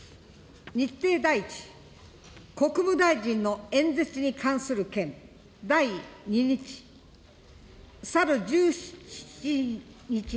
日程第１、国務大臣の演説に関する件、第２日。